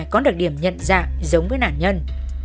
có được điểm nhận dạng giống với nạn nhân